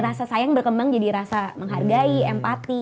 rasa sayang berkembang jadi rasa menghargai empati